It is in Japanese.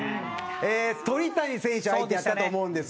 鳥谷選手相手やったと思うんです。